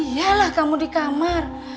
iya lah kamu di kamar